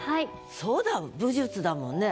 そうだ武術だもんね。